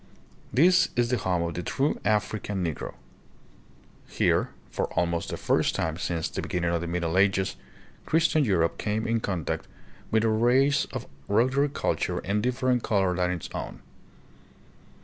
This is the home of the true African Negro. Here, for almost the first time, since the be ginning of the Middle Ages, Christian Europe came in contact with a race of ruder culture and different color than its own.